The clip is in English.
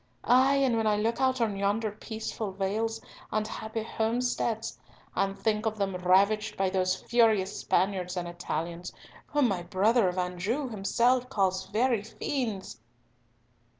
Ay, and when I look out on yonder peaceful vales and happy homesteads, and think of them ravaged by those furious Spaniards and Italians, whom my brother of Anjou himself called very fiends!"